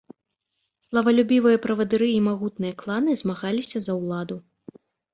Славалюбівыя правадыры і магутныя кланы змагаліся за ўладу.